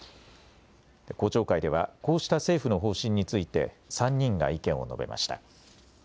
公聴会ではこうした政府の方針について３人が意見を述べました。